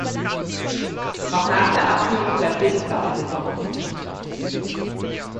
Auch nach der Abkühlung bleibt diese Platte deformiert.